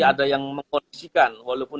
ada yang mengkondisikan walaupun